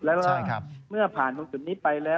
แล้วก็เมื่อผ่านตรงจุดนี้ไปแล้ว